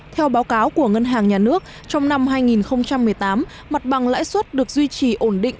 theo báo cáo của ngân hàng nhà nước trong năm hai nghìn một mươi tám mặt bằng lãi suất được duy trì ổn định